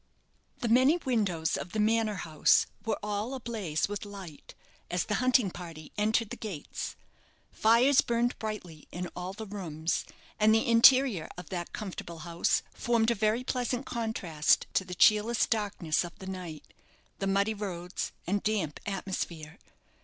The many windows of the manor house were all a blaze with light as the hunting party entered the gates. Fires burned brightly in all the rooms, and the interior of that comfortable house formed a very pleasant contrast to the cheerless darkness of the night, the muddy roads, and damp atmosphere.